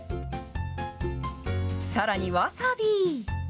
さらにわさび。